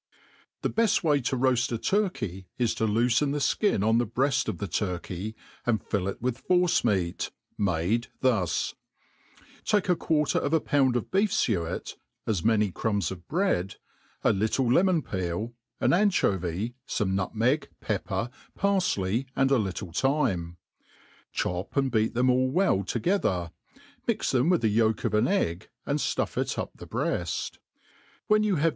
' THE befi way to roaft a turkey is to loofen the flcin on the hreaft of the turkey,* and fill it with force meat, made thus : take a quarter of ^ pqund of beef fuet, as many crumbs of bread, a little lemon peel, an anchovy, fome nutmeg, pepper, pariley, and a little thyme. Chop and beat them all well to gether, mix them with the yolk of an egg, and flufF up the breaft j when you have